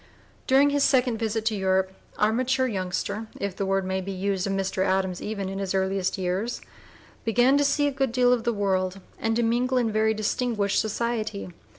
During his second visit to Europe, our mature youngster if the word may be used of Mr. Adams even in his earliest years began to see a good deal of the world and to mingle in very distinguished society.